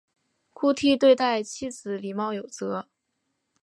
顾悌对待妻子礼貌有则。